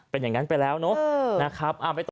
เป็นอย่างนั้นไปแล้วนะ